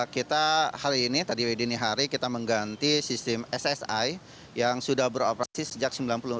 kita hari ini tadi dini hari kita mengganti sistem ssi yang sudah beroperasi sejak seribu sembilan ratus empat puluh